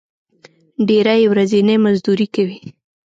ډېری یې ورځنی مزدوري کوي.